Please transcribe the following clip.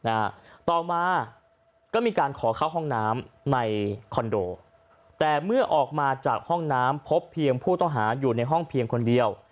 ต่อมาก็มีการขอเข้าห้องน้ำในคอนโดแต่เมื่อออกมาจากห้องน้ำพบเพียงผู้ต้องหาอยู่ในห้องเพียงคนเดียว